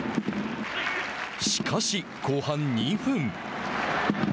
しかし、後半２分。